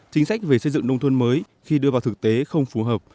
chính sách về xây dựng nông thôn mới khi đưa vào thực tế không phù hợp